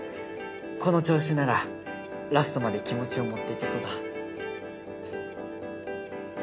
この調子ならラストまで気持ちを持っていけそうだ。